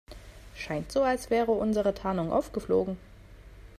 Scheint so, als wäre unsere Tarnung aufgeflogen.